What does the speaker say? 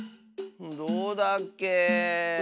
どうだっけ。